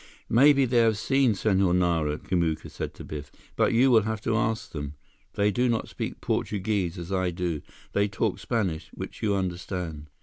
"Maybe they have seen Senhor Nara," Kamuka said to Biff. "But you will have to ask them. They do not speak Portuguese as I do. They talk Spanish, which you understand."